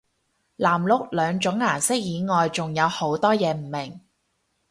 藍綠兩種顏色以外仲有好多嘢唔明